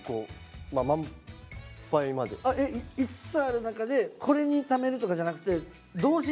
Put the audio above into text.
５つある中でこれにためるとかじゃなくてそう。